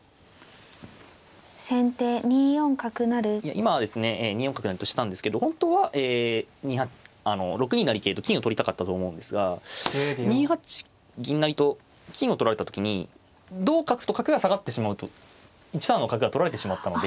今はですね２四角成としたんですけど本当は６二成桂と金を取りたかったと思うんですが２八銀成と金を取られた時に同角と角が下がってしまうと１三の角が取られてしまったので。